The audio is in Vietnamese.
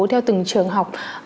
theo từng trường học